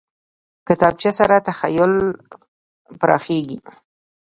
کتابچه سره تخیل پراخېږي